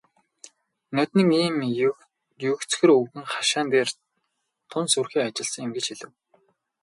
"Ноднин ийм нэг егзөр өвгөн хашаан дээр тун сүрхий ажилласан юм" гэж хэлэв.